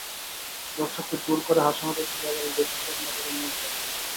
দর্শককে জোর করে হাসানোই ছিল এবারের বেশির ভাগ নাটকের মূল লক্ষ্য।